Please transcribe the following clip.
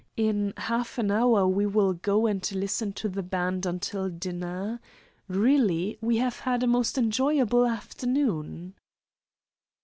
In half an hour we will go and listen to the band until dinner. Really, we have had a most enjoyable afternoon."